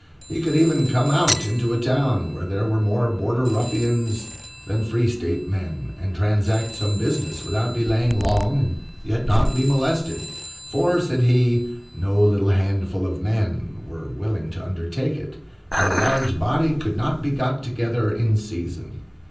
He could even come out into a town where there were more Border Ruffians than Free State men, and transact some business, without delaying long, and yet not be molested; for said he, "No little handful of men were willing to undertake it, and a large body could not be got together in season."